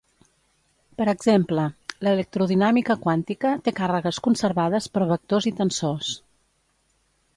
Per exemple, l'electrodinàmica quàntica té càrregues conservades per vectors i tensors.